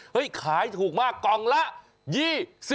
ขายถูกมากกล่องละ๒๐บาท